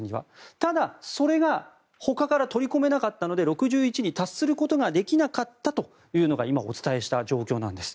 ただ、それがほかから取り込めなかったので６１に達することができなかったというのが今、お伝えした状況なんです。